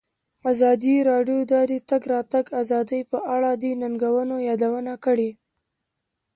ازادي راډیو د د تګ راتګ ازادي په اړه د ننګونو یادونه کړې.